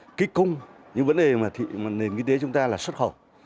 để kích cung những vấn đề mà nền kinh tế chúng ta là xuất khẩu